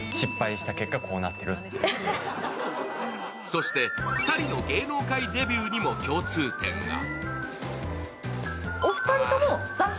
そして、２人の芸能界デビューにも共通点が。